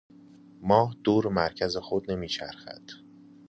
ماه دور مرکز خود نمیچرخد.